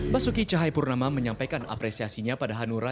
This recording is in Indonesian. basuki cahaya purnama menyampaikan apresiasinya pada hanura